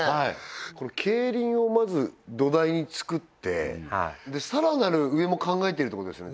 この競輪をまず土台につくってさらなる上も考えてるってことですよね